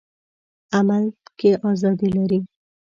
عمل کې ازادي لري.